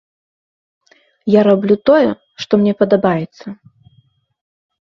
Я раблю тое, што мне падабаецца!